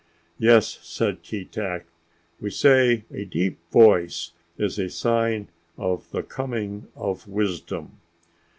"Yes," said Keetack. "We say a deep voice is a sign of the coming of wisdom."